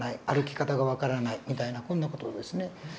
歩き方が分からないみたいなこんな事ですね。